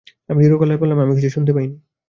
আমি দৃঢ় গলায় বললাম, আমি কিছু শুনতে পাই নি।